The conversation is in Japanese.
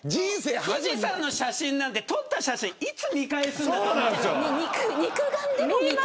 富士山の写真なんて撮った写真、いつ見返すんだ。